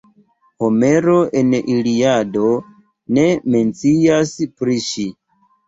Homero en Iliado ne mencias pri ŝi.